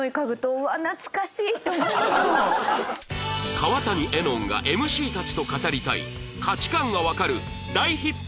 川谷絵音が ＭＣ たちと語りたい価値観がわかる大ヒット